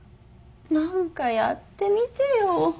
何かやってみてよ。